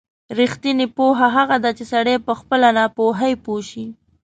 رښتینې پوهه هغه ده چې سړی په خپله ناپوهۍ پوه شي.